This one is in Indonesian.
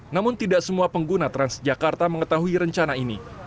namun tidak semua pengguna transjakarta mengetahui rencana ini